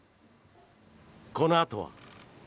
このあとは。